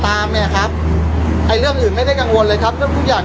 พี่แจงในประเด็นที่เกี่ยวข้องกับความผิดที่ถูกเกาหา